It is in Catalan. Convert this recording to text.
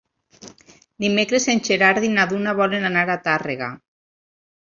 Dimecres en Gerard i na Duna volen anar a Tàrrega.